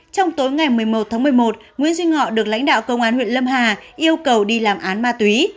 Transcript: trong tối ngày một mươi một tháng một mươi một nguyễn duy ngọc được lãnh đạo công an huyện lâm hà yêu cầu đi làm án ma túy